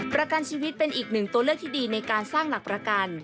ประกันชีวิตเป็นอีกหนึ่งตัวเลือกที่ดีในการสร้างหลักประกัน